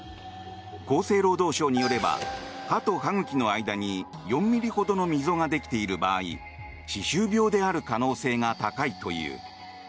厚生労働省によれば歯と歯茎の間に４ｍｍほどの溝ができている場合歯周病である可能性が高いという。